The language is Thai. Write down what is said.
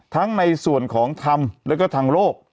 ในส่วนของธรรมแล้วก็ทางโลก